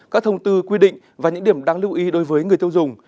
các thông tư quy định và những điểm đáng lưu ý đối với người tiêu dùng